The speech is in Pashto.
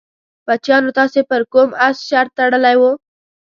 بچیانو تاسې پر کوم اس شرط تړلی وو؟